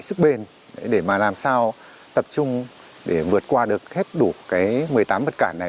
các cán bộ chiến sĩ phải sức chạy sức bền để mà làm sao tập trung để vượt qua được hết đủ cái một mươi tám vật cản này